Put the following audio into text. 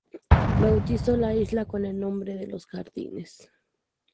Bautizó la isla con el nombre de "Los Jardines".